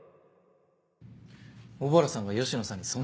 小原さんが吉野さんにそんな事を？